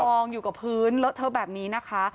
มันต้องอยู่กับพื้นเธอแบบนี้นะคะ